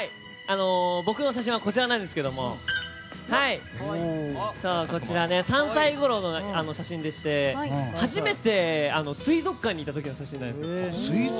僕の写真はこちらなんですけどこちら、３歳ごろの写真でして初めて水族館に行った時の写真なんですよ。